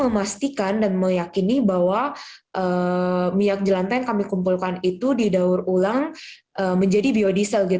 memastikan dan meyakini bahwa minyak jelanta yang kami kumpulkan itu didaur ulang menjadi biodiesel